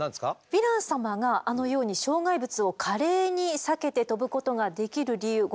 ヴィラン様があのように障害物を華麗に避けて飛ぶことができる理由ご説明します。